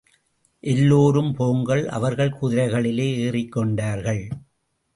எல்லோரும் போங்கள். அவர்கள் குதிரைகளிலே ஏறிக் கொண்டார்கள்.